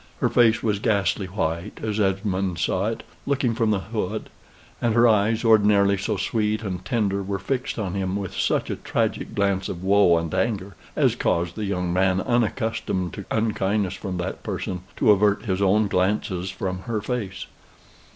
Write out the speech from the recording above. Her face was ghastly white, as Esmond saw it, looking from the hood; and her eyes, ordinarily so sweet and tender, were fixed on him with such a tragic glance of woe and anger, as caused the young man, unaccustomed to unkindness from that person, to avert his own glances from her face.